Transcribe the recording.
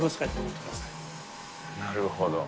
なるほど。